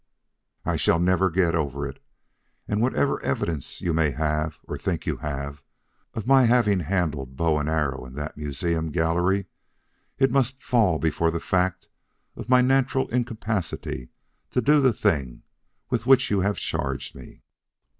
I shall never get over it; and whatever evidence you may have or think you have, of my having handled bow and arrow in that museum gallery, it must fall before the fact of my natural incapability to do the thing with which you have charged me.